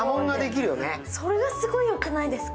それがすごいよくないですか？